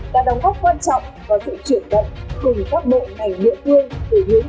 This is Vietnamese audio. đã đóng góp quan trọng vào sự chuyển động cùng các bộ ngành địa phương